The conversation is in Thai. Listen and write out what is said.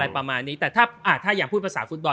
ประมาณนี้แต่ถ้าอย่างพูดภาษาฟุตบอล